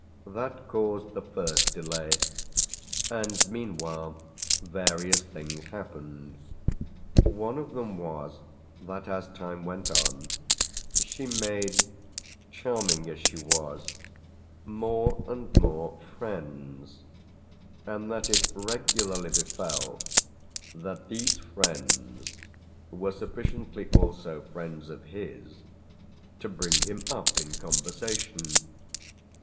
That caused the first delay, and meanwhile various things happened. One of them was that as time went on she made, charming as she was, more and more friends, and that it regularly befell that these friends were sufficiently also friends of his to bring him up in conversation.